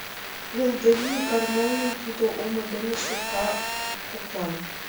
Йылдырий гармоньым тудо Омо дене шокта коклан.